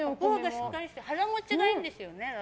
しっとりして腹持ちがいいんですよね。